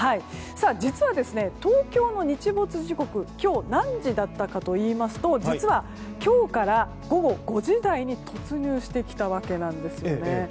実は、東京の日没時刻今日何時だったかといいますと実は、今日から午後５時台に突入してきたわけです。